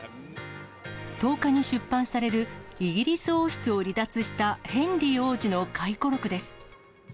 １０日に出版されるイギリス王室を離脱したヘンリー王子の回顧録です。